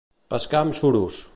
Pescar amb suros.